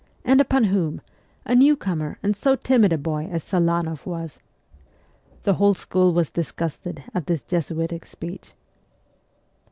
And upon whom ? A new comer, and so timid a boy as Selanoff was ! The whole school was disgusted at this Jesuitic speech.